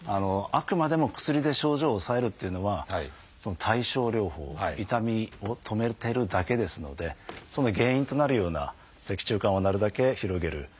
あくまでも薬で症状を抑えるっていうのは対症療法痛みを止めてるだけですのでその原因となるような脊柱管をなるだけ広げる。